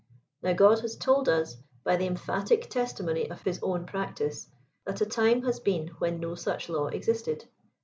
Now God has told us, hy the emphatic testimony of his own practice, that a time has heeh when no such law existed.